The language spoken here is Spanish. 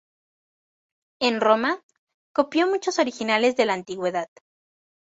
En Roma, copió muchos originales de la antigüedad.